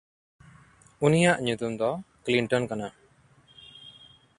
ᱩᱱᱤᱭᱟᱜ ᱧᱩᱛᱩᱢ ᱫᱚ ᱠᱞᱤᱱᱴᱚᱱ ᱠᱟᱱᱟ᱾